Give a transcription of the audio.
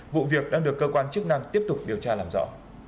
vụ việc đang được cơ quan chức năng tiếp tục điều tra làm rõ